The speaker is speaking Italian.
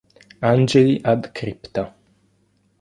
Angeli ad Crypta".